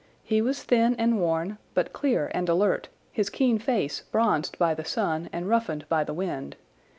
He was thin and worn, but clear and alert, his keen face bronzed by the sun and roughened by the wind.